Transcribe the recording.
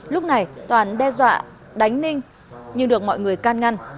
lúc này toàn đe dọa đánh ninh nhưng được mọi người can ngăn